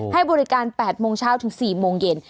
ให้บริการ๘โมงเช้าถึง๔โมงเย็น